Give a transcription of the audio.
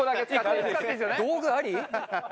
道具あり？